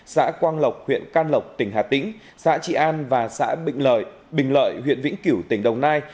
xã quang lộc huyện can lộc tỉnh hà tĩnh xã trị an và xã bình lợi huyện vĩnh cửu tỉnh đồng nai